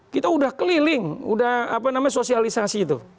kita udah keliling udah apa namanya sosialisasi itu